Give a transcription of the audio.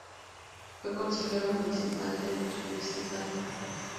Fue Consejero municipal de Tegucigalpa.